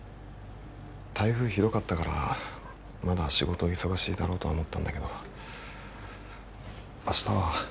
台風ひどかったからまだ仕事忙しいだろうとは思ったんだけど明日は。